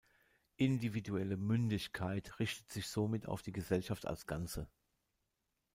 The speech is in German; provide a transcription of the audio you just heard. Individuelle „Mündigkeit“ richtet sich somit auf die Gesellschaft als ganze.